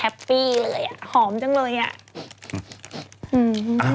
แฮปปี้เลยอ่ะหอมจังเลยฮะ